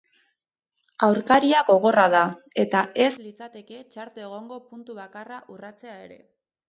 Aurkaria gogorra da eta ez litzateke txarto egongo puntu bakarra urratzea ere.